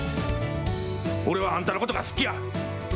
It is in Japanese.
俺はあんたのことが好きや！